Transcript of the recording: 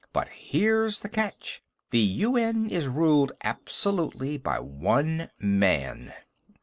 But here's the catch. The UN is ruled absolutely by one man."